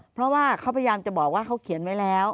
เพราะว่าเขาพยายามจะบอกว่าเขาเขียนไว้แล้ว